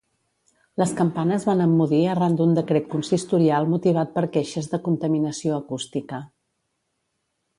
Les campanes van emmudir arran d'un decret consistorial motivat per queixes de contaminació acústica.